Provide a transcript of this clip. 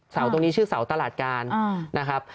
ตรงนี้ชื่อเสาตลาดการนะครับ